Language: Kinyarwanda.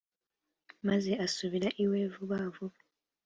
maze asubira iwe vuba vuba.